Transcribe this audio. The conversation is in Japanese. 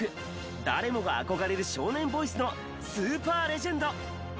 誰もが憧れる少年ボイスのスーパーレジェンド！